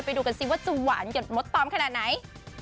ไปดูกันซิว่าจะหวานหยดมดตอมขนาดไหน